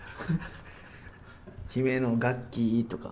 「姫野」「ガッキー！」とか。